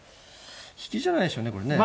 引きじゃないでしょうねこれね。